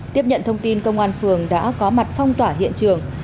tiếp nhận thông tin công an phường đã có mặt phong tỏa hiện trường